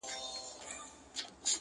o که غاپې نه، لکۍ خو دي دينگه ونيسه!